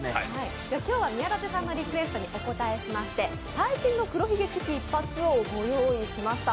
今日は宮舘さんのリクエストにお応えしまして最新の「黒ひげ危機一発」をご用意しました。